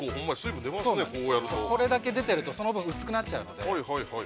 これだけ出てるとその分、薄くなっちゃうので。